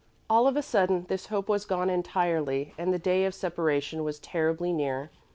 All of a sudden this hope was gone entirely, and the day of separation was terribly near.